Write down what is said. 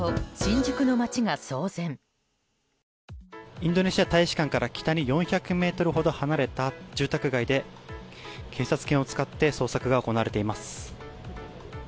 インドネシア大使館から北に４００ｍほど離れた住宅街で、警察犬を使って捜索が行われています。